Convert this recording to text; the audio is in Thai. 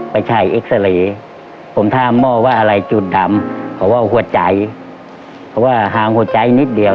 ไปใช้ผมถ้ามอบว่าอะไรจุดดำเพราะว่าหัวใจเพราะว่าหางหัวใจนิดเดียว